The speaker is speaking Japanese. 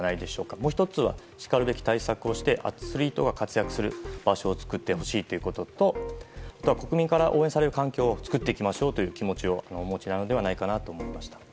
もう１つはしかるべき対策をしてアスリートが活躍する作ってほしいということと国民から応援される環境を作っていきましょうという気持ちをお持ちなのかなと思いました。